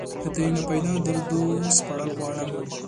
دناپیدا دردو سپړل غواړم